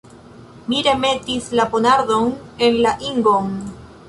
Mi remetis la ponardon en la ingon.